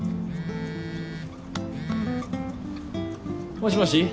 もしもし？